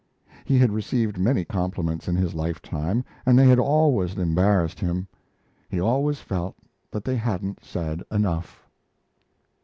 He had received many compliments in his lifetime, and they had always embarrassed him he always felt that they hadn't said enough!